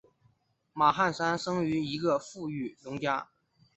马汉三生于一个富裕农家。